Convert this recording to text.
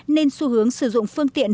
nên xu hướng sử dụng phương tiện